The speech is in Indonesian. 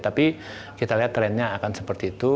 tapi kita lihat trennya akan seperti itu